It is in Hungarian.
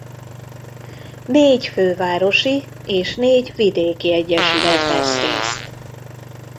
Négy fővárosi és négy vidéki egyesület vesz részt.